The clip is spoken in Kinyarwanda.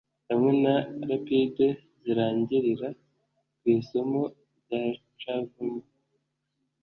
hamwe na rapide zirangirira ku isumo rya chavuma